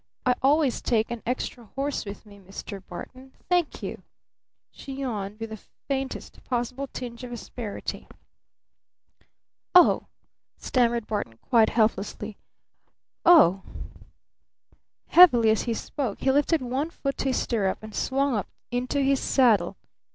"I always taken an extra horse with me, Mr. Barton Thank you!" she yawned, with the very faintest possible tinge of asperity. "Oh!" stammered Barton quite helplessly. "O h!" Heavily, as he spoke, he lifted one foot to his stirrup and swung up into his saddle.